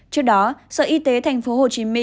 trước đó sở y tế tp hcm